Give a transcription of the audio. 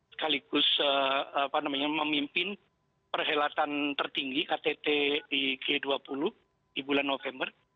sekaligus memimpin perhelatan tertinggi ktt di g dua puluh di bulan november